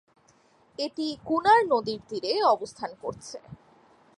এটি কুনার নদীর তীরে অবস্থান করছে।